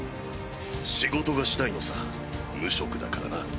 仕事がしたいのさ無職だからな。